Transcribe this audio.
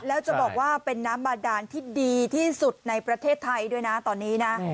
แล้วจะบอกว่าเป็นน้ำบาดานที่ดีที่สุดในประเทศไทยด้วยนะตอนนี้นะ